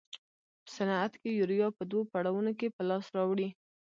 په صنعت کې یوریا په دوو پړاوونو کې په لاس راوړي.